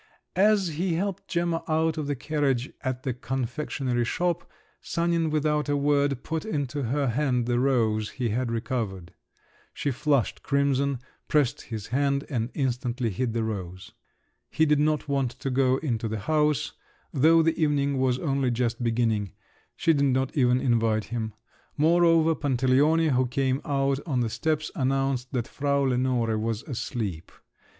As he helped Gemma out of the carriage at the confectionery shop, Sanin without a word put into her hand the rose he had recovered. She flushed crimson, pressed his hand, and instantly hid the rose. He did not want to go into the house, though the evening was only just beginning. She did not even invite him. Moreover Pantaleone, who came out on the steps, announced that Frau Lenore was asleep.